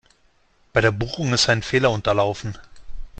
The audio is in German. Bei der Buchung ist ein Fehler unterlaufen.